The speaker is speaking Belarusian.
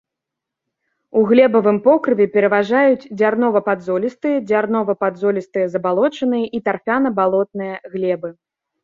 У глебавым покрыве пераважаюць дзярнова-падзолістыя, дзярнова-падзолістыя забалочаныя і тарфяна-балотныя глебы.